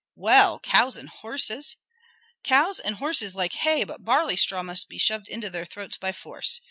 Well, cows and horses? Cows and horses like hay, but barley straw must be shoved into their throats by force.